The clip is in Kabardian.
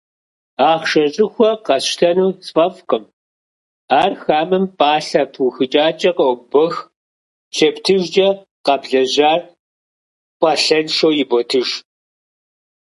Ахъшэ щӏыхуэ къэсщтэну сфӏэфӏкъым: ар хамэм пӏалъэ пыухыкӏакӏэ къыӏыбох, щептыжкӏэ - къэблэжьар пӏалъэншэу иботыж.